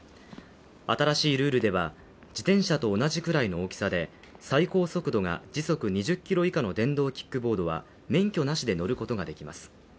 新しいルールでは自転車と同じくらいの大きさで最高速度が時速２０キロ以下の電動キックボードは免許なしで乗ることができます。